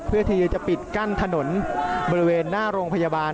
เพื่อที่จะปิดกั้นถนนบริเวณหน้าโรงพยาบาล